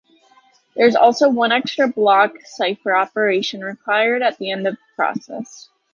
There is also one extra block cipher operation required at the end of process.